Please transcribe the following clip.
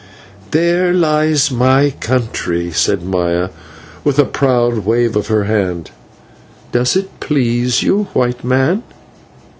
"There lies my country," said Maya, with a proud wave of her hand; "does it please you, white man?"